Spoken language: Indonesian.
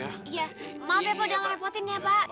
ya maaf ya pak udah nggak repotin ya pak